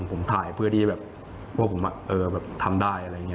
ผมถ่ายเพื่อที่แบบพวกผมทำได้อะไรอย่างนี้